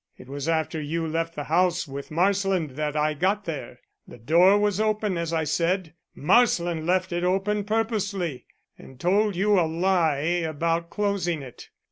It was after you left the house with Marsland that I got there. The door was open as I said Marsland left it open purposely, and told you a lie about closing it.